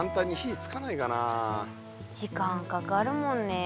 時間かかるもんねえ。